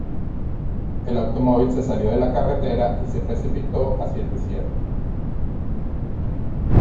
El automóvil se salió de la carretera y se precipitó hacia el desierto.